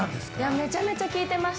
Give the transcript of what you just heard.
めちゃめちゃあります。